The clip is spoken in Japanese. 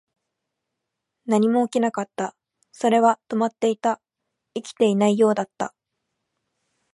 何も起きなかった。それは止まっていた。生きていないようだった。